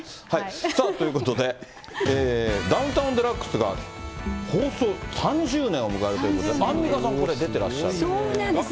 さあ、ということで、ダウンタウンＤＸが放送３０年を迎えるということで、アンミカさそうなんです。